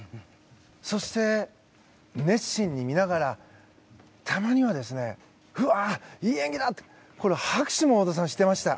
そして、熱心に見ながらたまには、うわ、いい演技だと拍手もしていました。